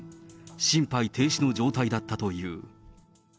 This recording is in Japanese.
心肺停止の状態だったという。